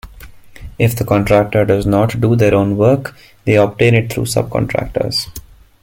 If the contractor does not do their own work, they obtain it through subcontractors.